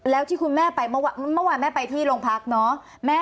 แล้วที่คุณแม่ไปเมื่อวานแม่ไปที่โรงพักเนาะ